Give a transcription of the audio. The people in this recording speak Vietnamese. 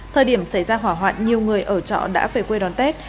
thời điểm xảy ra hỏa hoạn nhiều người ở trọ đã về quê đón tết